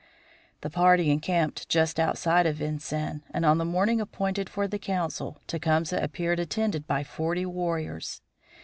The party encamped just outside of Vincennes, and on the morning appointed for the council Tecumseh appeared attended by forty warriors.